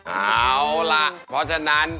เอาล่ะเพราะฉะนั้น